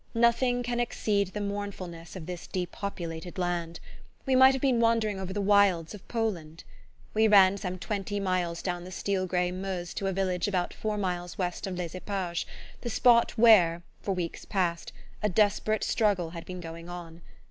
Nothing can exceed the mournfulness of this depopulated land: we might have been wandering over the wilds of Poland. We ran some twenty miles down the steel grey Meuse to a village about four miles west of Les Eparges, the spot where, for weeks past, a desperate struggle had been going on.